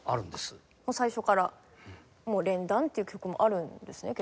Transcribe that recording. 最初からもう連弾っていう曲もあるんですね